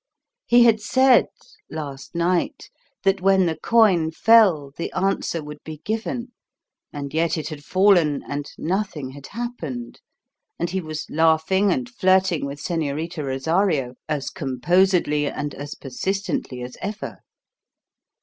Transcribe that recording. He had said, last night, that when the coin fell the answer would be given and yet it had fallen, and nothing had happened, and he was laughing and flirting with Señorita Rosario as composedly and as persistently as ever.